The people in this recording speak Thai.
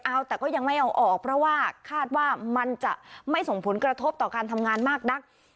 เอาแต่ก็ยังไม่เอาออกเพราะว่าคาดว่ามันจะไม่ส่งผลกระทบต่อการทำงานมากนัก